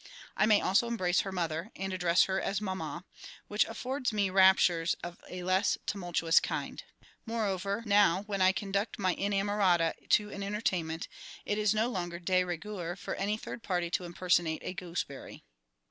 I may also embrace her Mother, and address her as "Mamma," which affords me raptures of a less tumultuous kind. Moreover now, when I conduct my inamorata to an entertainment, it is no longer de rigueur for any third party to impersonate a gooseberry!